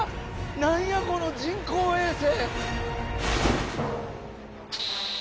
何やこの人工衛星！